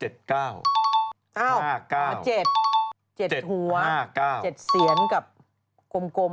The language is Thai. ๗เสียนกับกลม